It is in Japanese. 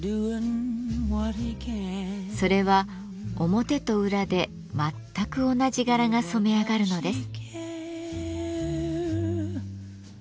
それは表と裏で全く同じ柄が染め上がるのです。